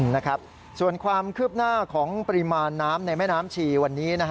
นะครับส่วนความคืบหน้าของปริมาณน้ำในแม่น้ำชีวันนี้